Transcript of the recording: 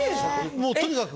・もうとにかく。